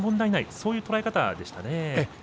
そういう捉え方でしたね。